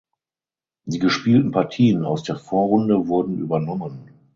Die gespielten Partien aus der Vorrunde wurden übernommen.